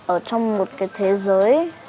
ở trong một cái thế giới